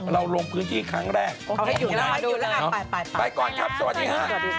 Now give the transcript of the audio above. เราลงพื้นที่ครั้งแรกโอเคอยู่แล้วไปไปก่อนครับสวัสดีค่ะ